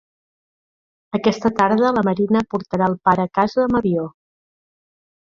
Aquesta tarda la marina portarà el pare a casa amb avió.